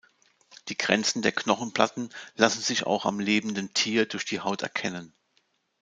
Die Grenzen der Knochenplatten lassen sich auch am lebenden Tier durch die Haut erkennen.